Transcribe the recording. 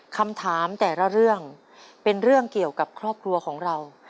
คำถามแต่ละเรื่องเป็นเรื่องเกี่ยวกับครอบครัวของเรา